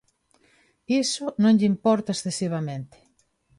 Iso non lle importa excesivamente.